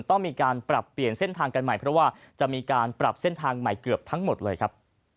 ต้องมีการปรับเปลี่ยนเส้นทางกันใหม่เพราะว่าจะมีการปรับเส้นทางใหม่เกือบทั้งหมดเลยครับ